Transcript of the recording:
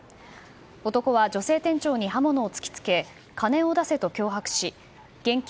男は女性店長に刃物を突き付け金を出せと脅迫し現金